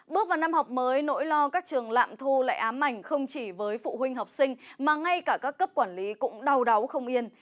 bước vào năm học mới nỗi lo các trường lạm thu lại ám ảnh không chỉ với phụ huynh học sinh mà ngay cả các cấp quản lý cũng đau đáu không yên